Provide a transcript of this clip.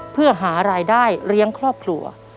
เพื่อหารายได้เลี้ยงครอบครัว